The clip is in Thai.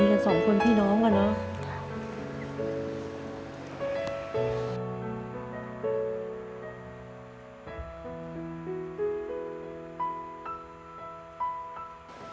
มีกันสองคนพี่น้องด้างกันนะ